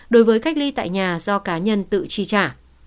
đối với cách ly tại nhà do cá nhân tự chi trả